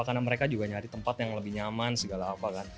karena mereka juga nyari tempat yang lebih nyaman segala apa kan